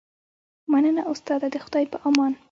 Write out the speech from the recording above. مننه استاده د خدای په امان